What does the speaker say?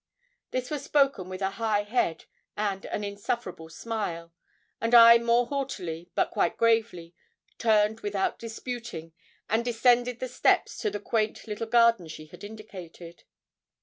This was spoken with a high head and an insufferable smile; and I more haughtily, but quite gravely, turned without disputing, and descended the steps to the quaint little garden she had indicated.